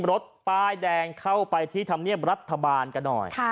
รถป้ายแดงเข้าไปที่ธรรมเนียบรัฐบาลกันหน่อย